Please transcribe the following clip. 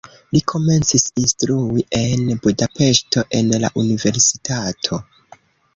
Li komencis instrui en Budapeŝto en la universitato.